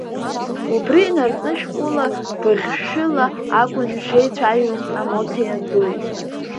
Убри инаркны шәҟәыла-быӷьшәыла акәын ишеицәажәоз амоҭеи андуи.